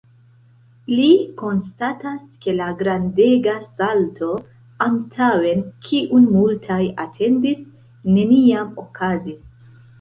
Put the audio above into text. Li konstatas, ke la grandega salto antaŭen, kiun multaj atendis, neniam okazis.